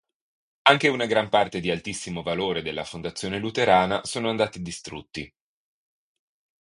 Anche una gran parte di altissimo valore della fondazione luterana sono andati distrutti.